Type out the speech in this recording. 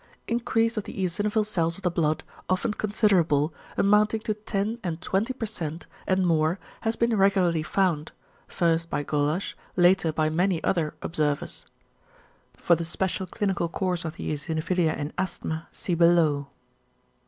= Increase of the eosinophil cells of the blood, often considerable, amounting to 10 and 20% and more has been regularly found, first by Gollasch, later by many other observers. (For the special clinical course of the eosinophilia in asthma see below.)